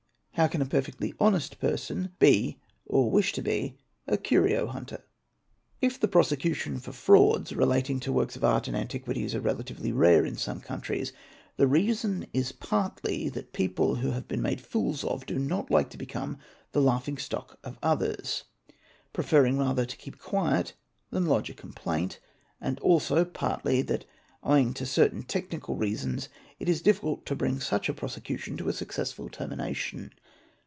How can a perfectly honest person be or wish to be a curio —* hunter ? 1 If prosecutions for frauds relating to works of art and antiquities are relatively rare in some countries, the reason is partly that people who have been made fools of do not like to become the laughing stock of others, preferring rather to keep quiet than lodge a complaint, and also partly that owing to certain technical reasons it is difficult to bring such a prosecution to a successful termination.